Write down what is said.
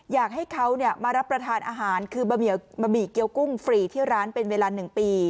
อยากให้เขามารับประทานอาหารคือบะหมี่เกี้ยวกุ้งฟรีที่ร้านเป็นเวลา๑ปี